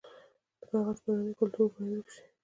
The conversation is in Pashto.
د کاغذ پرانۍ کلتور باید ورک شي.